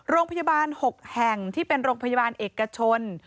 โรงพยาบาล๖แห่งที่เป็นโรงพยาบาลเอกชน